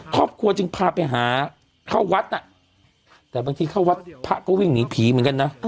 ครอบครัวจึงพาไปหาเข้าวัดน่ะแต่บางทีเข้าวัดพระก็วิ่งหนีผีเหมือนกันนะ